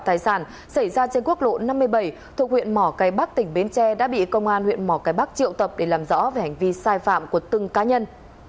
tài sản xảy ra trên quốc lộ năm mươi bảy thuộc huyện mỏ cây bắc tỉnh bến tre đã bị công an huyện mỏ cái bắc triệu tập để làm rõ về hành vi sai phạm của từng cá nhân